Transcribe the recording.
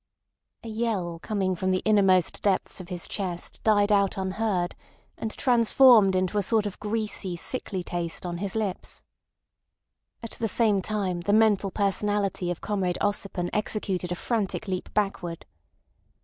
A yell coming from the innermost depths of his chest died out unheard and transformed into a sort of greasy, sickly taste on his lips. At the same time the mental personality of Comrade Ossipon executed a frantic leap backward.